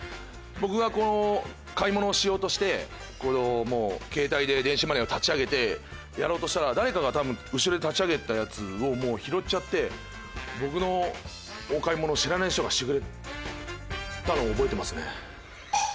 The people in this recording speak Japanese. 僕が買い物をしようとして携帯で電子マネーを立ち上げてやろうとしたら誰かが多分後ろで立ち上げたやつを拾っちゃって僕のお買い物を知らない人がしてくれたのを覚えてますね。